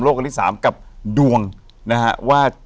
อยู่ที่แม่ศรีวิรัยิลครับ